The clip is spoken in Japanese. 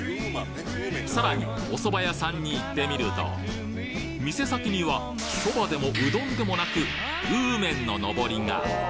さらにお蕎麦屋さんに行ってみると店先には「そば」でも「うどん」でもなく「うーめん」ののぼりが！